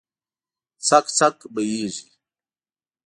څک، څک بهیږې